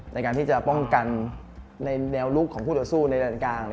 ในการที่จะป้องกันในแนวลุกของผู้ต่อสู้ในด้านกลาง